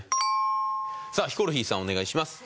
さあヒコロヒーさんお願いします。